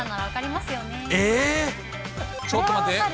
えー、ちょっと待って。